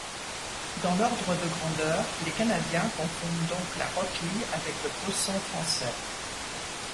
Dans l'ordre de grandeur, les Canadiens confondent donc la roquille avec le posson français.